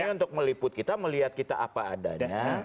ya untuk meliput kita melihat kita apa adanya